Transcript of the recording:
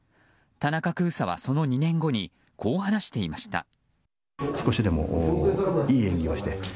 田中空佐は、その２年後にこう話していました。